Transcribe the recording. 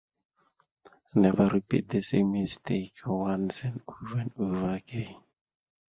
Wikipedia, which runs on MediaWiki software, has built-in tools for the management of references.